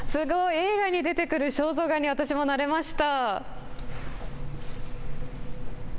映画に出てくる肖像画に私もなれました。